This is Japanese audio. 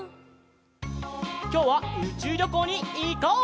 きょうはうちゅうりょこうにいこう！